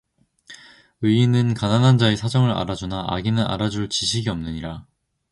의인은 가난한 자의 사정을 알아 주나 악인은 알아 줄 지식이 없느니라